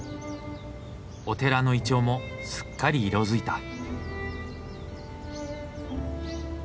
お寺のイチョウもすっかり色づいた。